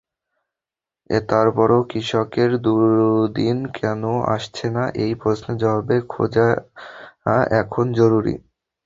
তারপরও কৃষকের সুদিন কেন আসছে না—এই প্রশ্নের জবাব খোঁজা এখন জরুরি।